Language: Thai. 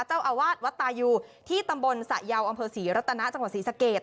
เจ้าอาวาสวัดตายูที่ตำบลสะเยาอำเภอศรีรัตนาจังหวัดศรีสะเกด